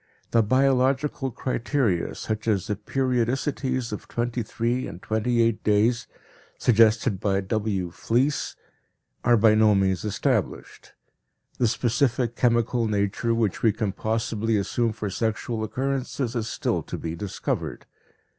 The biological criteria, such as the periodicities of twenty three and twenty eight days, suggested by W. Fliess, are by no means established; the specific chemical nature which we can possibly assume for sexual occurrences is still to be discovered.